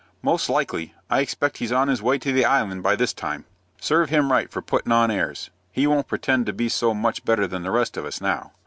"Most likely. I expect he's on his way to the Island by this time." "Serve him right for puttin' on airs. He won't pretend to be so much better than the rest of us now."